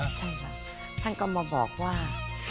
ใช่ค่ะท่านก็มาบอกว่า